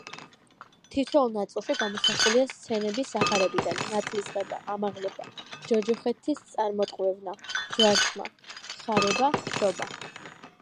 თითოეულ ნაწილში გამოსახულია სცენები სახარებიდან: ნათლისღება, ამაღლება, ჯოჯოხეთის წარმოტყვევნა, ჯვარცმა, ხარება, შობა.